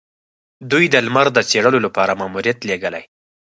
دوی د لمر د څیړلو لپاره ماموریت لیږلی.